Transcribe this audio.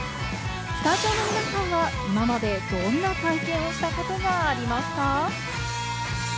スタジオの皆さんは今までどんな体験をしたことがありますか？